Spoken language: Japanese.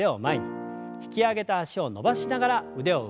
引き上げた脚を伸ばしながら腕を上。